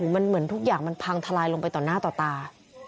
มันเหมือนทุกอย่างมันพังทลายลงไปต่อหน้าต่อตา